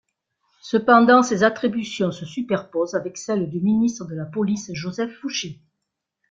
Cependant, ses attributions se superposent avec celles du ministre de la police, Joseph Fouché.